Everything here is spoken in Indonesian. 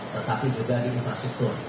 tetapi juga di infrastruktur